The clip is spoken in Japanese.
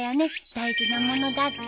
大事な物だって。